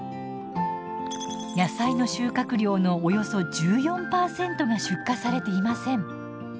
野菜の収穫量のおよそ１４％が出荷されていません。